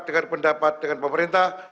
dengan pendapat dengan pemerintah